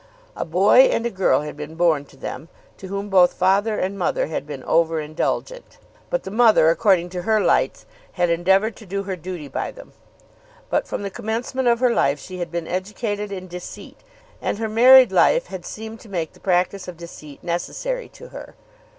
A boy and a girl had been born to them, to whom both father and mother had been over indulgent; but the mother, according to her lights, had endeavoured to do her duty by them. But from the commencement of her life she had been educated in deceit, and her married life had seemed to make the practice of deceit necessary to her.